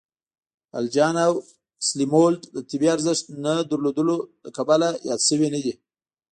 الجیان او سلیمولد د طبی ارزښت نه لرلو له کبله یاد شوي نه دي.